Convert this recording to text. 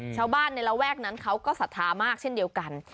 ชาวบ้านในระแวกนั้นเขาก็ศรัทธามากเช่นเดียวกัน